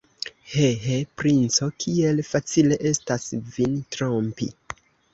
He, he, princo, kiel facile estas vin trompi!